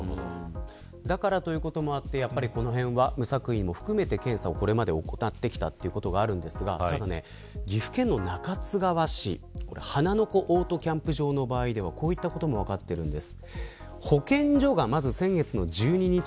だからということもあってこのへんは無作為も含めて検査をこれまで怠ってきたということがあるんですがただ岐阜県の中津川市ではこういったこと分かっているんです。